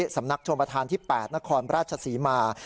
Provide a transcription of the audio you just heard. สำนักชมพัฒน์ที่๘นครปะราชศรีมา